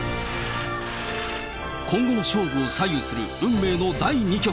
今後の勝負を左右する、運命の第２局。